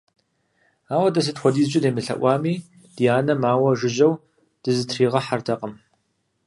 Ауэ дэ сыт хуэдизрэ демылъэӀуами, ди анэм ауэ жыжьэу дызытригъэхьэртэкъым.